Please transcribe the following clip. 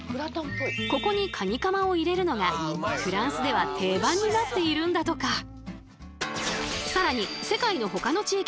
ここにカニカマを入れるのがフランスでは定番になっているんだとか。